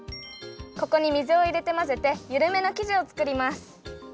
ここに水をいれてまぜてゆるめのきじをつくります。